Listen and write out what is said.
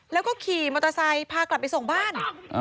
แล้วก็ขี่มอเตอร์ไซค์พากลับไปส่งบ้าน